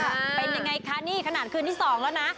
เป็นยังไงคะนี่ขนาดคืนที่๒แล้วนะ